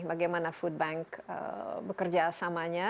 bagaimana foodbank bekerja samanya